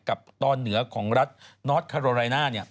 ตอนเหนือของรัฐนอทคาโรไรน่าเนี่ย